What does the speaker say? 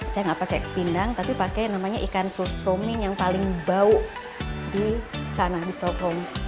saya enggak pakai pindang tapi pakai namanya ikan susomi yang paling bau di sana di stockholm